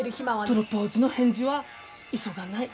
プロポーズの返事は急がない。